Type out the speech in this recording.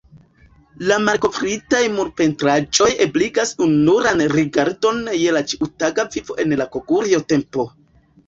La malkovritaj murpentraĵoj ebligas ununuran rigardon je la ĉiutaga vivo en la Kogurjo-tempo.